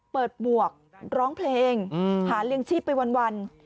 หมวกร้องเพลงหาเลี้ยงชีพไปวัน